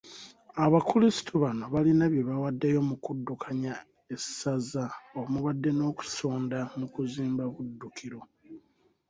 Abakulisitu bano balina bye bawaddeyo mu kuddukanya essaza omubadde n'okusonda mu kuzimba Buddukiro.